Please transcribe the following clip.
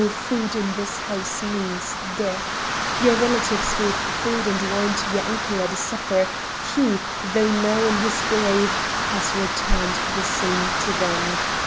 Food in this house means death. Your relatives gave food and wine to your uncle at a supper; he, though now in his grave, has returned the same to them.